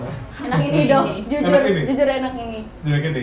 enak ini dong jujur jujur enak ini